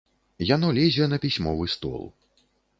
Яно лезе на пісьмовы стол.